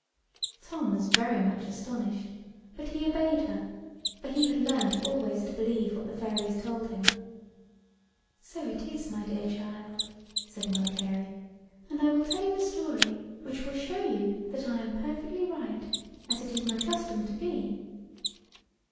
Tom was very much astonished: but he obeyed her, for he had learnt always to believe what the fairies told him. "So it is, my dear child," said Mother Carey; "and I will tell you a story, which will show you that I am perfectly right, as it is my custom to be.